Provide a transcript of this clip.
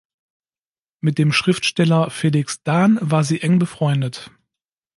Mit dem Schriftsteller Felix Dahn war sie eng befreundet.